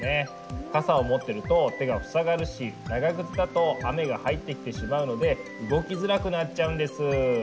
傘を持ってると手が塞がるし長靴だと雨が入ってきてしまうので動きづらくなっちゃうんです。